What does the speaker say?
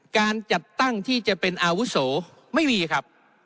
การจัดตั้งที่จะเป็นอาวุโสไม่มีครับ